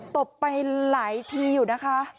ตบไปหลายทีอยู่นะคะ